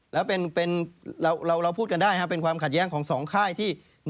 แล้วเราพูดกันได้เป็นความขัดแย้งของ๒ค่ายที่